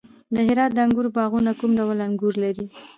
د هرات د انګورو باغونه کوم ډول انګور لري؟